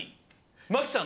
真木さん